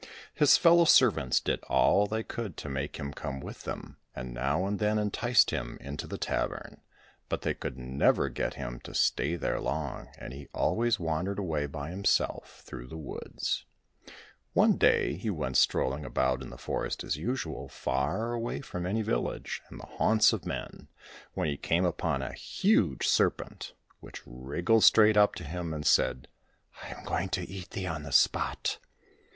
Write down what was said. His fellow servants did all they could to make him come with them, and now and then enticed him into the tavern, but they could never get him to stay there long, and he always wandered away by himself through the woods. One day he went strolling about in the forest as usual, far from any village and the haunts of men, when he came upon a huge Serpent, which wriggled straight up to him and said, *' I am going to eat thee on the spot